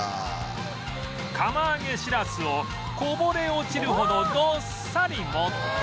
釜揚げシラスをこぼれ落ちるほどどっさり盛った